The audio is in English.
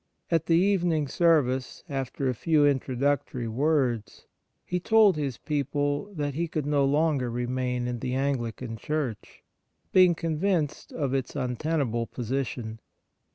At the evening service, after a few introductory words, he told his people that he could no longer remain in the Anglican Church, being convinced of its untenable position.